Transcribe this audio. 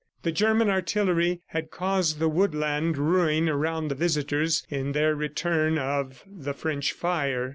The German artillery had caused the woodland ruin around the visitors, in their return of the French fire.